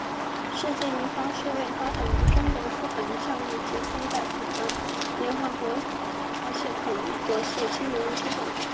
世界银行是为发展中国家资本项目提供贷款的联合国系统国际金融机构。